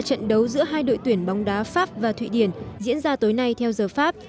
trận đấu giữa hai đội tuyển bóng đá pháp và thụy điển diễn ra tối nay theo giờ pháp